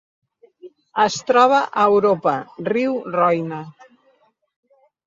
Es troba a Europa: riu Roine.